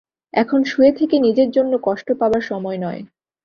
এখন শুয়ে থেকে নিজের জন্য কষ্ট পাবার সময় নয়।